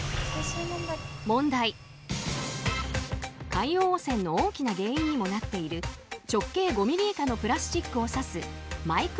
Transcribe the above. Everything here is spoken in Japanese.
海洋汚染の大きな原因にもなっている直径５ｍｍ以下のプラスチックを指す「マイクロプラスチック」。